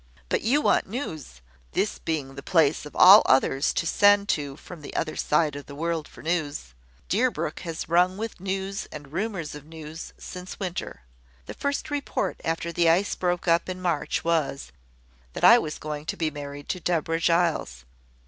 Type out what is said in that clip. "But you want news, this being the place of all others to send to from the other side of the world for news. Deerbrook has rung with news and rumours of news since winter. The first report after the ice broke up in March was, that I was going to be married to Deborah Giles.